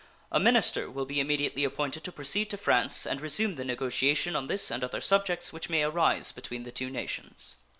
A minister will be immediately appointed to proceed to France and resume the negotiation on this and other subjects which may arise between the two nations.